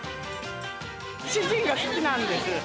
主人が好きなんです。